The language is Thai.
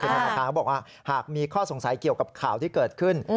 คือธนาคารเขาบอกว่าหากมีข้อสงสัยเกี่ยวกับข่าวที่เกิดขึ้น